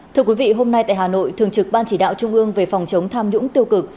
thưa quý vị hôm nay tại hà nội thường trực ban chỉ đạo trung ương về phòng chống tham nhũng tiêu cực